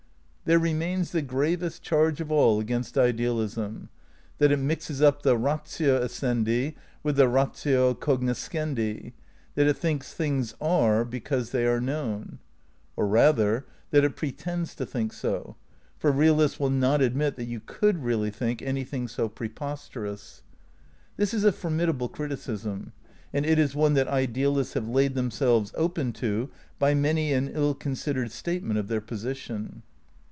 There remains the gravest charge of all against ideal ism: that it mixes up the ratio essendi with the ratio cognoscendi; that it thinks things are because they are known. Or rather that it pretends to think so; for realists will not. admit that you could really think any thing so preposterous. This is a formidable criticism; and it is one that idealists have laid themselves open to by many an ill considered statement of their position.